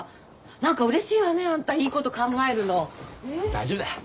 大丈夫だよ。